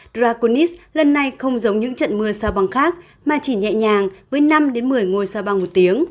drakonis lần này không giống những trận mưa xa băng khác mà chỉ nhẹ nhàng với năm một mươi ngôi sao băng một tiếng